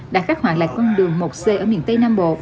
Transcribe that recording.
đã khắc họa lại con đường một c ở miền tây nam bộ